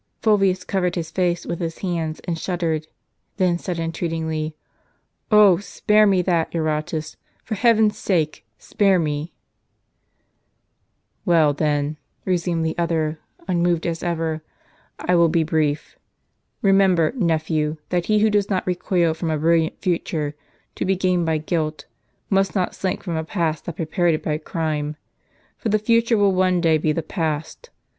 Fulvius covered his face with his hands and shuddered, then said entreatingly, " Ob, spare me that, Eurotas ; for heaven's sake s^jare me !" "Well, then," resumed the other, unmoved as ever, " I will be brief. Eemember, nephew, that he who does not recoil from a brilliant future, to be gained by guilt, must not sliiink from a past that prepared it by crime. For the future will one day be the past.